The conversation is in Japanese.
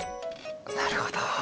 なるほど。